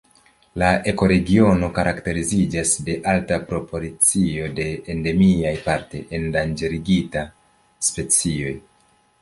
La ekoregiono karakteriziĝas de alta proporcio de endemiaj, parte endanĝerigitaj specioj.